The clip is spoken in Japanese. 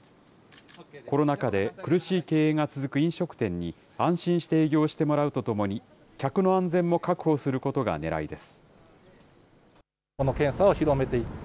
コロナ禍で苦しい経営が続く飲食店に、安心して営業してもらうとともに、客の安全も確保することがねらいです。